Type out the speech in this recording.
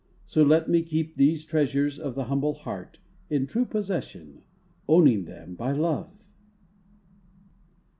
So let me keep These treasures of the humble heart In true possession, owning them by love.